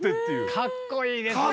かっこいいですよね。